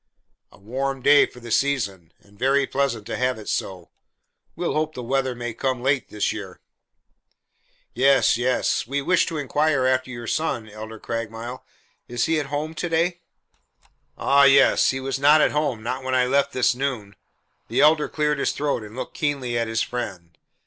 "A warm day for the season, and very pleasant to have it so. We'll hope the winter may come late this year." "Yes, yes. We wish to inquire after your son, Elder Craigmile. Is he at home to day?" "Ah, yes. He was not at home not when I left this noon." The Elder cleared his throat and looked keenly at his friend.